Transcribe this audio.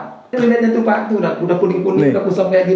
lihatnya tuh pak udah puning puning